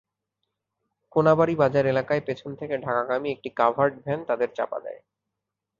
কোনাবাড়ী বাজার এলাকায় পেছন থেকে ঢাকাগামী একটি কাভার্ড ভ্যান তাঁদের চাপা দেয়।